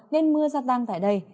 nên mưa gia tăng tại đây